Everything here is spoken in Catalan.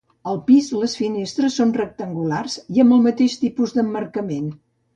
Al pis, les finestres són rectangulars i amb el mateix tipus d'emmarcament.